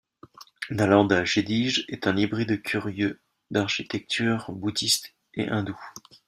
Nalanda Gedige est un hybride curieux d'architectures bouddhiste et hindoue.